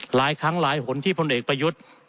หลายครั้งหลายหนที่พลเอกประยุทธ์